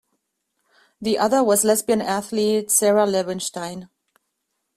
The other was lesbian athlete Sara Lewinstein.